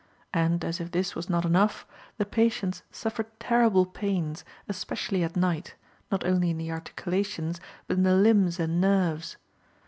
And, as if this was not enough, the patients suffered terrible pains, especially at night, not only in the articulations, but in the limbs and nerves.